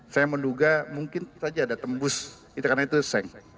saya menduga mungkin saja ada tembus karena itu seng seng